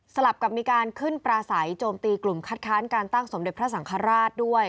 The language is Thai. ลับกับมีการขึ้นปราศัยโจมตีกลุ่มคัดค้านการตั้งสมเด็จพระสังฆราชด้วย